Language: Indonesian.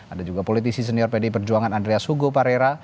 ada juga politisi senior pd perjuangan andreas hugo parera